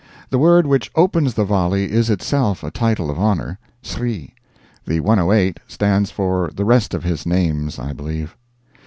The word which opens the volley is itself a title of honor "Sri." The "108" stands for the rest of his names, I believe.